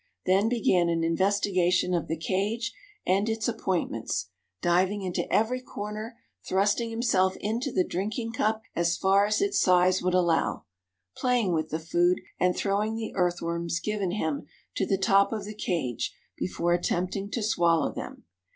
Then began an investigation of the cage and its appointments, diving into every corner, thrusting himself into the drinking cup as far as its size would allow, playing with the food, and throwing the earthworms given him to the top of the cage before attempting to swallow them.